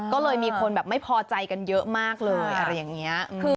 ก็เลยมีคนแบบไม่พอใจกันเยอะมากเลยอะไรอย่างนี้